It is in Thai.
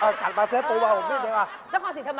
เล่นด้วยสิทำกรรป่ะสุโขทัยสุขายโทตอนนี้เจฟ๔๖นะครับ